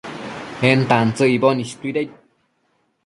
en tantsëc icboc istuidaid